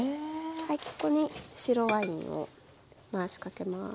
ここに白ワインを回しかけます。